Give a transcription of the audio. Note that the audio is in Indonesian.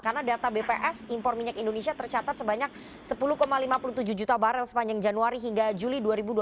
karena data bps impor minyak indonesia tercatat sebanyak sepuluh lima puluh tujuh juta barel sepanjang januari hingga juli dua ribu dua puluh satu